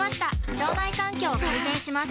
腸内環境を改善します